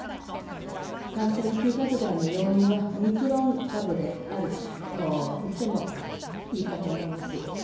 感染急拡大の要因は、オミクロン株であると言ってもいいかと思います。